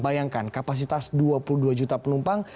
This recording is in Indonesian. bayangkan kapasitas dua puluh dua juta penumpang